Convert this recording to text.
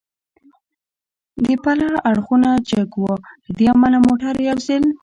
د پله اړخونه جګ و، له دې امله موټر یو ځل.